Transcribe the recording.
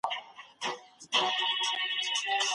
د بښتورګو ناروغۍ د سیګرټو له امله منځ ته راځي.